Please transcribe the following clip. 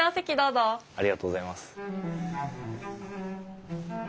ありがとうございます。